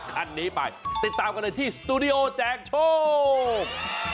คันนี้ไปติดตามกันเลยที่สตูดิโอแจกโชค